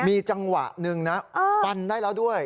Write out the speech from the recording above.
มีจังหวะหนึ่งนะฟันได้แล้วด้วย